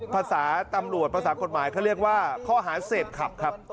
ภาษาตำรวจภาษากฎหมายเขาเรียกว่าข้อหาเสพขับครับ